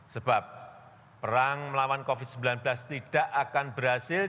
sebab perang melawan covid sembilan belas tidak akan berhasil